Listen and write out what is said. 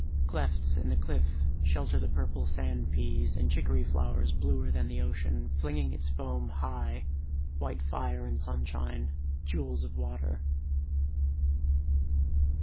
Clefts in the cliff shelter the purple sand peas And chicory flowers bluer than the ocean Flinging its foam high, white fire in sunshine, Jewels of water.